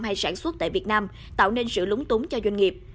hay sản xuất tại việt nam tạo nên sự lúng túng cho doanh nghiệp